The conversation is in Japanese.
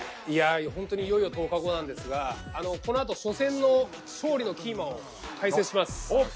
本当にいよいよ１０日後なんですがこのあと初戦の勝利のキーマンを解説します。